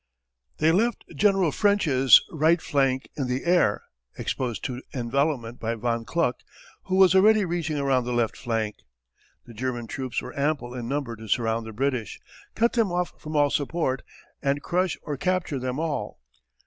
They left General French's right flank in the air, exposed to envelopment by von Kluck who was already reaching around the left flank. The German troops were ample in number to surround the British, cut them off from all support, and crush or capture them all.